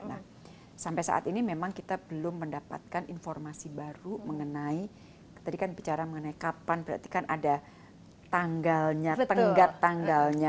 nah sampai saat ini memang kita belum mendapatkan informasi baru mengenai tadi kan bicara mengenai kapan berarti kan ada tanggalnya tenggat tanggalnya